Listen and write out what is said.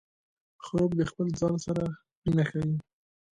خوب د خپل ځان سره مینه ښيي